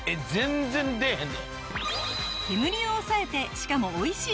煙を抑えてしかも美味しい！